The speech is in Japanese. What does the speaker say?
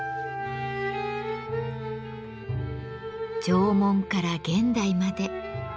縄文から現代まで。